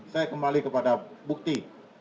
saya kembali kepada bukti